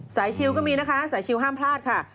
ชิลก็มีนะคะสายชิวห้ามพลาดค่ะ